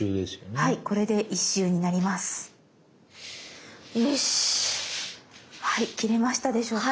はい切れましたでしょうか。